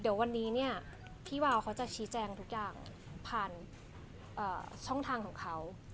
เดี๋ยววันนี้เนี่ยพี่วาวเขาจะชี้แจงทุกอย่างผ่านช่องทางของเขา